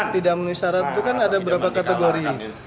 tidak menyesal itu kan ada berapa kategori